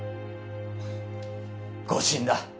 誤診だ。